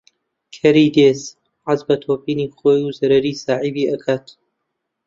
کەری دێز حەز بە تۆپینی خۆی و زەرەری ساحێبی ئەکات